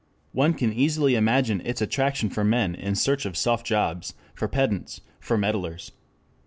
One can easily imagine its attraction for men in search of soft jobs, for pedants, for meddlers.